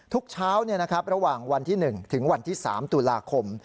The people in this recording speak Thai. ทุกเช้าระหว่างวันที่๑ถึงวันที่๓ตุลาคม